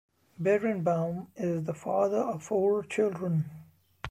Berenbaum is the father of four children.